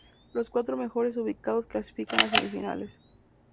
Los cuatro mejores ubicados clasificaban a semifinales.